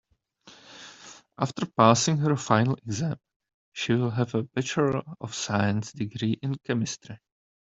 After passing her final exam she will have a bachelor of science degree in chemistry.